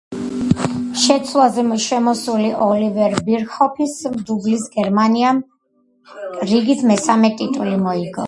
შეცვლაზე შესული ოლივერ ბირჰოფის დუბლით გერმანიამ რიგით მესამე ტიტული მოიგო.